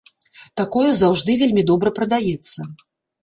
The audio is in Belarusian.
Такое заўжды вельмі добра прадаецца.